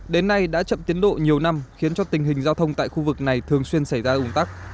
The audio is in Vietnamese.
đến nay đã chậm tiến độ nhiều năm khiến cho tình hình giao thông tại khu vực này thường xuyên xảy ra ủng tắc